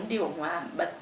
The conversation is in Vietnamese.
đi bộ hòa bật